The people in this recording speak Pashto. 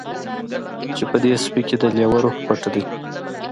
چې په دې سپي کې د لیوه روح پټ دی